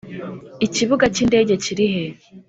ikibuga cy'indege kiri he?